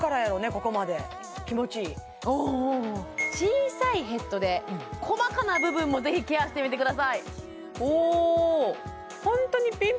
ここまで小さいヘッドで細かな部分もぜひケアしてみてください